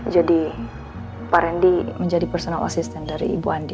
jadi pak rendy menjadi personal assistant dari ibu andi